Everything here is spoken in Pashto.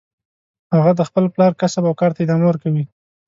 هغه د خپل پلار کسب او کار ته ادامه ورکوي